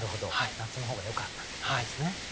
夏の方がよかったということですね。